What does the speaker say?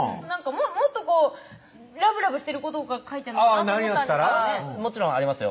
もっとこうラブラブしてることが書いてあるのかなともちろんありますよ